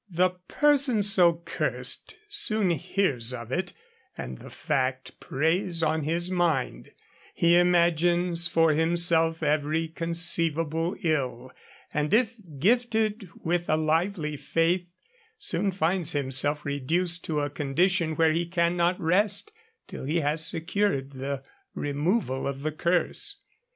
The person so cursed soon hears of it, and the fact preys on his mind; he imagines for himself every conceivable ill, and if gifted with a lively faith soon finds himself reduced to a condition where he cannot rest till he has secured the removal of the curse.